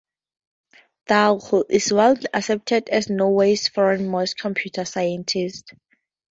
Dahl is widely accepted as Norway's foremost computer scientist.